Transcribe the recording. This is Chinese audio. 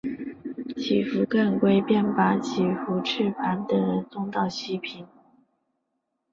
乞伏干归便把乞伏炽磐等人送到西平。